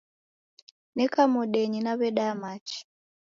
Neka modenyi nawedaya machi.